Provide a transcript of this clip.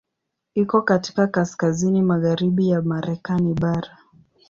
Iko katika kaskazini magharibi ya Marekani bara.